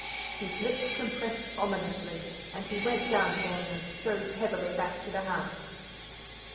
His lips compressed ominously, and he went down again and strode heavily back to the house.